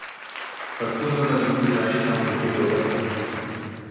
پښتو ژبه زموږ د تاریخ او کلتور یوه برخه ده.